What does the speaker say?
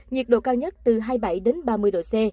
nhiệt độ cao nhất từ hai mươi bảy đến ba mươi độ c